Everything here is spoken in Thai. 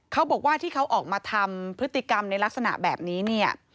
เขาบอกว่าที่เขาออกมาทำพฤติกรรมในลักษณะแบบนี้เนี่ย